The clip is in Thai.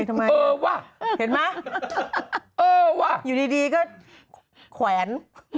ทำไมเห็นมั้ยอยู่ดีก็แขวน